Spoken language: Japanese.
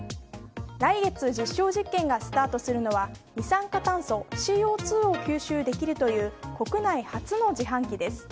来月、実証実験がスタートするのは二酸化炭素・ＣＯ２を吸収できるという国内初の自販機です。